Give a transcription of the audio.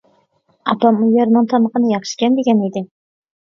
ئاپام ئۇ يەرنىڭ تامىقىنى ياخشىكەن دېگەن ئىدى.